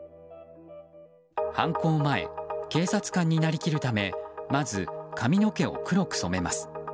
犯行前、警察官になりきるためまず髪の毛を黒く染めます。